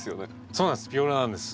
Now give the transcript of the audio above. そうなんですビオラなんです。